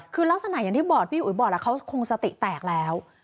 คือลักษณะอย่างที่บอกพี่อุ๋ยบอกแล้วเขาคงสติแตกแล้ว